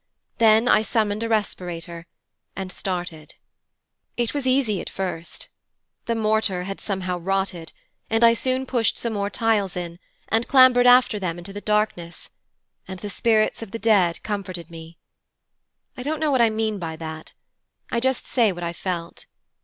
Then I summoned a respirator, and started. 'It was easy at first. The mortar had somehow rotted, and I soon pushed some more tiles in, and clambered after them into the darkness, and the spirits of the dead comforted me. I don't know what I mean by that. I just say what I felt.